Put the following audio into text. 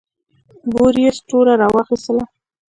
بوریس توره راواخیستله.